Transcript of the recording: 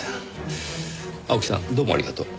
青木さんどうもありがとう。